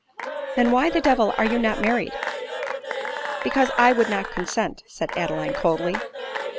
" Than why the devil are you not married ?"" Because 1 would not consent," said Adeline coldly.